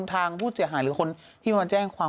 ทางผู้เสียหายหรือคนที่มาแจ้งความ